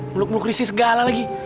muluk muluk risih segala lagi